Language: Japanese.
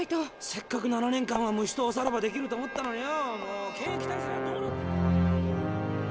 せっかく７年間は虫とおさらばできると思ったのによ。